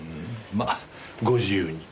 まあご自由に。